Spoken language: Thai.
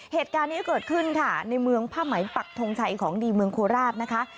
เหตุการณ์นี้เกิดขึ้นค่ะในเมืองผ้าไหมปักทงชัยของดีเมืองโคราชนะคะ